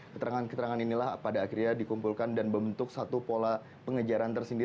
keterangan keterangan inilah pada akhirnya dikumpulkan dan membentuk satu pola pengejaran tersendiri